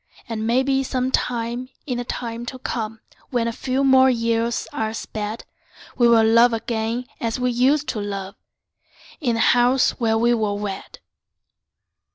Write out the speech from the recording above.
And maybe some time in the time to come, When a few more years are sped, We'll love again as we used to love, In the house where we were wed.